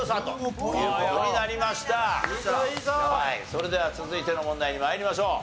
それでは続いての問題に参りましょう。